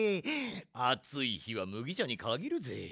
あついひはむぎちゃにかぎるぜ。